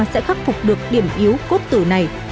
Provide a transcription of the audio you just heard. sẽ khắc phục được điểm yếu cốt tử này